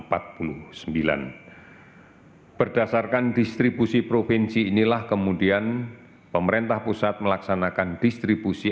hai berdasarkan distribusi provinsi inilah kemudian pemerintah pusat melaksanakan distribusi